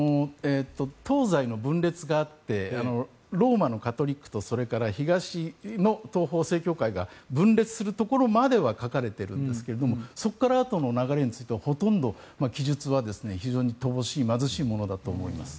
東西の分裂があってローマのカトリックとそれから東の東方正教会が分裂するところまでは書かれてるんですがそこからあとの流れについてはほとんど記述は非常に乏しい、貧しいものだと思います。